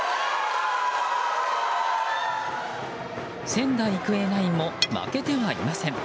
仙台育英ナインも負けてはいません。